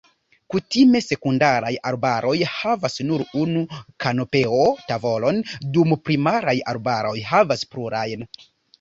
Kutime, sekundaraj arbaroj havas nur unu kanopeo-tavolon, dum primaraj arbaroj havas plurajn.